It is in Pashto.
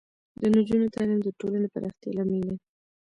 د نجونو تعلیم د ټولنې پراختیا لامل دی.